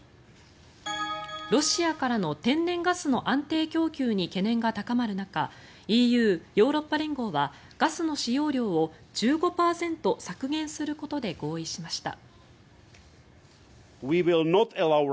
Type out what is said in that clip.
ロシアからの天然ガスの安定供給に懸念が高まる中ＥＵ・ヨーロッパ連合はガスの使用量を１５％削減することで合意しました。